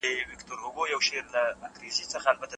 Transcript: د کلیوالو کډوالي ښارونه له ګڼې ګوڼې ډکوي.